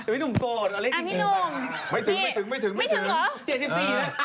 พี่หนุ่มโกรธอะไรจริงอ่ะ